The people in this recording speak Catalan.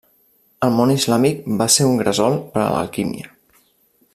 El món islàmic va ser un gresol per a l'alquímia.